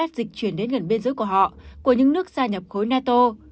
chúng ta đã dịch chuyển đến gần biên giới của họ của những nước gia nhập khối nato